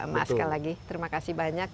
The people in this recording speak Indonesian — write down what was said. mas sekali lagi terima kasih banyak